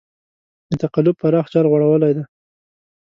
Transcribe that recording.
د تقلب پراخ جال غوړولی دی.